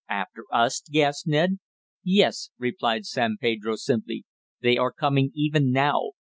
"After us!" gasped Ned. "Yes," replied San Pedro simply. "They are coming even now.